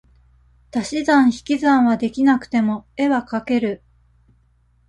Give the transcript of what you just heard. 足し算引き算は出来なくても、絵は描ける。